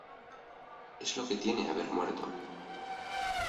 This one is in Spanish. es lo que tiene haber muerto.